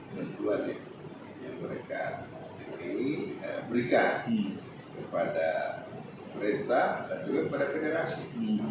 tentu saja yang mereka berikan kepada pemerintah dan juga kepada generasi